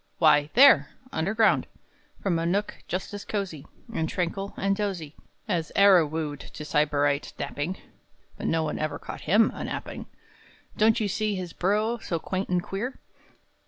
Why, there, Underground, From a nook just as cosey, And tranquil, and dozy, As e'er wooed to Sybarite napping (But none ever caught him a napping). Don't you see his burrow so quaint and queer?